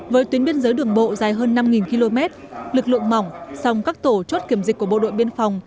với tuyến biên giới đường bộ dài hơn năm km lực lượng mỏng sòng các tổ chốt kiểm dịch của bộ đội biên phòng